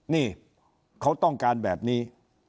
นี่เขาต้องการแบบนี้